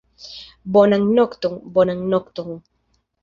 Bonan nokton, bonan nokton!